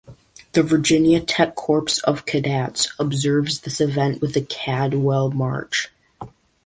The Virginia Tech corps of cadets observes this event with the Caldwell March.